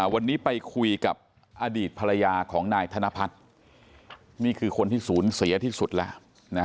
วันนี้ไปคุยกับอดีตภรรยาของนายธนพัฒน์นี่คือคนที่ศูนย์เสียที่สุดแล้ว